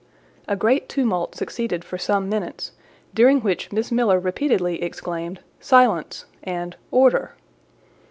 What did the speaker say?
A great tumult succeeded for some minutes, during which Miss Miller repeatedly exclaimed, "Silence!" and "Order!"